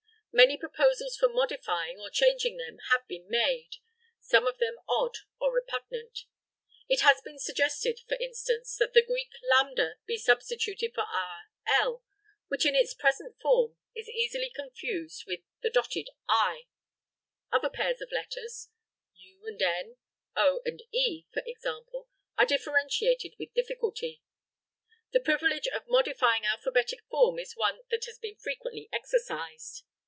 Many proposals for modifying or changing them have been made, some of them odd or repugnant. It has been suggested, for instance, that the Greek lambda be substituted for our l, which in its present form is easily confused with the dotted i. Other pairs of letters (u and n, o and e, for example) are differentiated with difficulty. The privilege of modifying alphabetic form is one that has been frequently exercised.